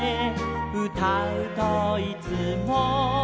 「うたうといつも」